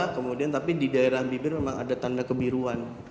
kemudian tapi di daerah bibir memang ada tanda kebiruan